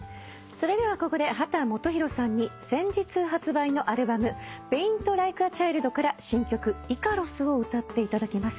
それではここで秦基博さんに先日発売のアルバム『ＰａｉｎｔＬｉｋｅａＣｈｉｌｄ』から新曲『イカロス』を歌っていただきます。